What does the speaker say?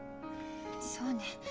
そうね。